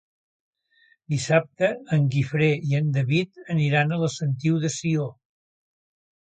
Dissabte en Guifré i en David aniran a la Sentiu de Sió.